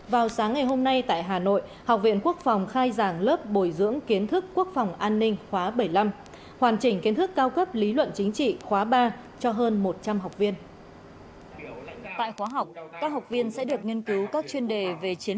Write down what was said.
vào sáng ngày hôm nay tại hà nội học viện quốc phòng khai giảng lớp bồi dưỡng kiến thức quốc phòng an ninh khóa bảy mươi năm hoàn chỉnh kiến thức cao cấp lý luận chính trị khóa ba cho hơn một trăm linh học viên